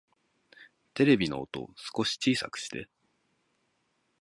テレビの音、少し小さくして